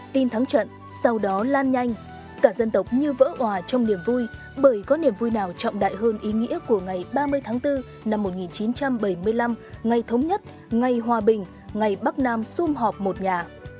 tin thắng trận sau đó lan nhanh cả dân tộc như vỡ hòa trong niềm vui bởi có niềm vui nào trọng đại hơn ý nghĩa của ngày ba mươi tháng bốn năm một nghìn chín trăm bảy mươi năm ngày thống nhất ngày hòa bình ngày bắc nam xung họp một nhà